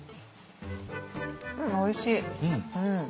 うんおいしい。